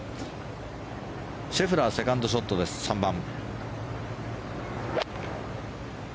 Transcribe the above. シェフラーセカンドショットです、３番。